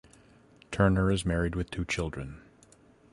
Turner is married with two children.